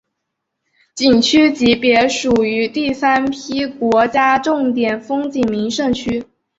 景区级别属于第三批国家重点风景名胜区。